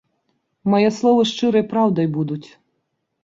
Мае словы шчырай праўдай будуць.